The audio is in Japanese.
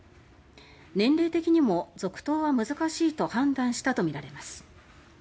年齢的にも続投は難しいと判断したとみられます。